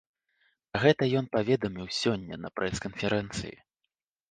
Пра гэта ён паведаміў сёння на прэс-канферэнцыі.